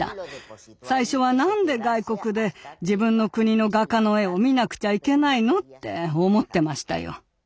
最初は何で外国で自分の国の画家の絵を見なくちゃいけないのって思ってましたよ。